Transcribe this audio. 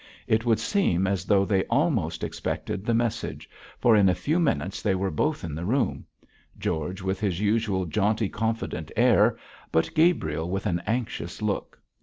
It would seem as though they almost expected the message, for in a few minutes they were both in the room; George, with his usual jaunty, confident air, but Gabriel with an anxious look.